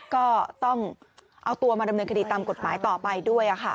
ก็ต้องเอาตัวมาดำเนินคดีตามกฎหมายต่อไปด้วย